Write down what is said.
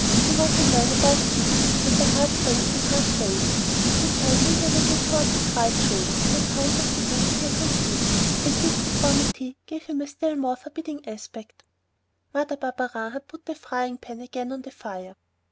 He was a man about fifty with a hard face and rough ways. His head leaned a little bit towards his right shoulder, on account of the wound he had received, and this deformity gave him a still more forbidding aspect. Mother Barberin had put the frying pan again on the fire.